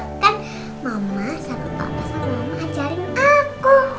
kan mama satu opasnya mama ajarin aku